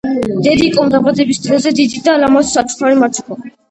დედიკომ დაბადების დღეზე დიდი და ლამაზი საჩუქარი მაჩუქა